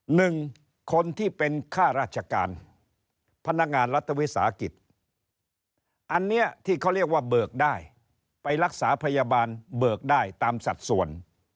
หนึ่งคนที่เป็นค่าราชการพนักงานรัฐวิสาหกิจอันนี้ที่เขาเรียกว่าเบิกได้ไปรักษาพยาบาลเบิกได้ตามสัดส่วน